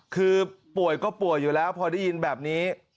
คือป่วยก็ป่วยอยู่แล้วพอได้ยินแบบนี้